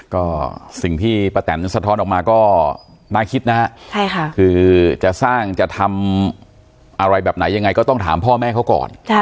ก็สิ่งที่ป้าแตนสะท้อนออกมาก็น่าคิดนะฮะคือจะสร้างจะทำอะไรแบบไหนยังไงก็ต้องถามพ่อแม่เขาก่อน